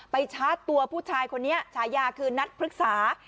ชาร์จตัวผู้ชายคนนี้ฉายาคือนัดพฤกษา